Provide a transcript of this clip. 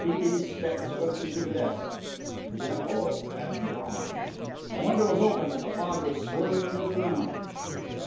T. B. stepped swiftly to the desk the envelope had gone. A window was open and the fog was swirling into the room.